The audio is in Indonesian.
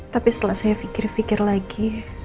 tapi setelah saya pikir pikir lagi